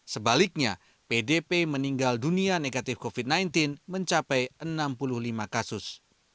sebaliknya pdp meninggal dunia negatif covid sembilan belas mencapai enam puluh lima kasus